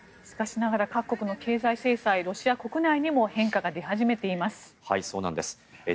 しかしながら各国の経済制裁ロシア国内にも変化が出始めています。